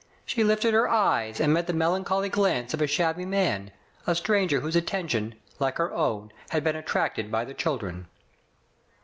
She lifted her eyes and met .the melancholy glance of a shabby man, a stranger whose attention, like her own, had been attracted by the children.